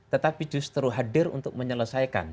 tetapi justru hadir untuk menyelesaikan